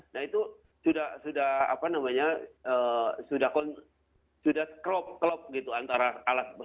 nah itu sudah sudah apa namanya sudah kelop kelop gitu antara alat bukti